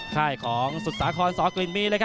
ค่ายของสุดสาครสอกลิ่นมี